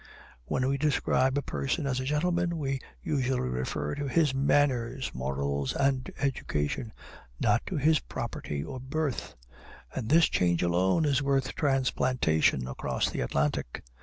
When we describe a person as a gentleman, we usually refer to his manners, morals, and education, not to his property or birth; and this change alone is worth the transplantation across the Atlantic.